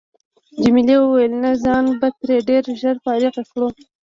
جميلې وويل: نه ځان به ترې ډېر ژر فارغ کړو.